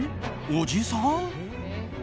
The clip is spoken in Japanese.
おじさん？